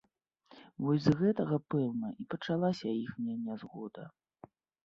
Вось з гэтага, пэўна, і пачалася іхняя нязгода.